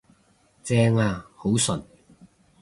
正呀，好順